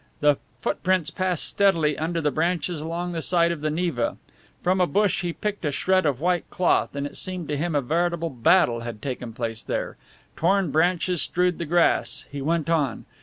The footprints passed steadily under the branches along the side of the Neva. From a bush he picked a shred of white cloth, and it seemed to him a veritable battle had taken place there. Torn branches strewed the grass. He went on.